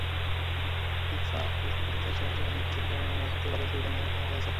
TICFA বৈঠকে যুক্তরাষ্ট্রে বাংলাদেশি পণ্যের শুল্কমুক্ত বাজার সুবিধা নিয়ে কথা হয়েছে।